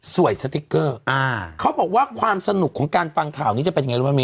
สติ๊กเกอร์อ่าเขาบอกว่าความสนุกของการฟังข่าวนี้จะเป็นยังไงรู้ไหม